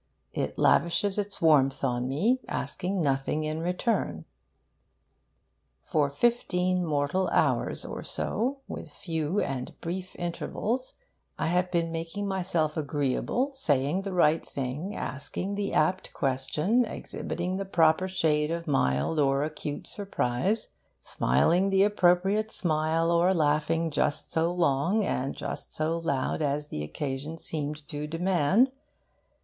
It lavishes its warmth on me, asking nothing in return. For fifteen mortal hours or so, with few and brief intervals, I have been making myself agreeable, saying the right thing, asking the apt question, exhibiting the proper shade of mild or acute surprise, smiling the appropriate smile or laughing just so long and just so loud as the occasion seemed to demand.